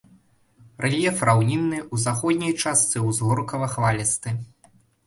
Рэльеф раўнінны, у заходняй частцы ўзгоркава-хвалісты.